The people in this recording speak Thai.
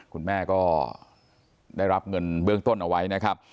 คุณแม่ก็ได้รับเงินเบื้องต้นเอาไว้นะครับ